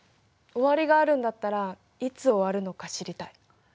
終わりがあるんだったらいつ終わるのか知りたい。